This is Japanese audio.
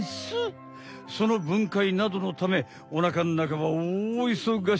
そのぶんかいなどのためおなかのなかはおおいそがし！